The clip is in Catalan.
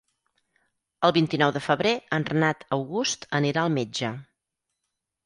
El vint-i-nou de febrer en Renat August anirà al metge.